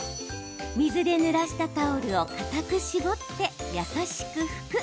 水でぬらしたタオルを固く絞って優しく拭く。